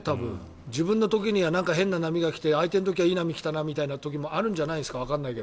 自分の時には変な波が来て相手の時はいい波来たなという時もあるんじゃないんですか。